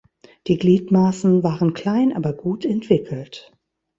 Die Gliedmaßen waren klein, aber gut entwickelt.